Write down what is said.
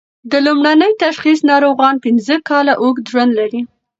د لومړني تشخیص ناروغان پنځه کاله اوږد ژوند لري.